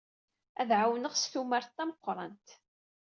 Ad ɛawneɣ s tumert tameqrant.